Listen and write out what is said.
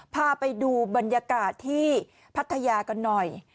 พาไปดูบรรยากาศที่พัทยากันหน่อย